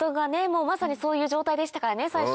まさにそういう状態でしたからね最初。